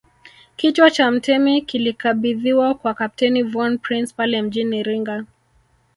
Kichwa cha mtemi kilikabidhiwa kwa Kapteni von Prince pale mjini Iringa